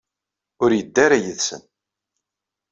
Ur yedda ara yid-sen.